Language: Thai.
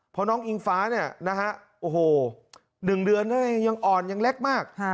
เพราะน้องอิงฟ้าเนี่ยนะฮะโอ้โห๑เดือนยังอ่อนยังเล็กมาก